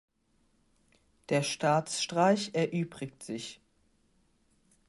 Der Staatsstreich erübrigt sich.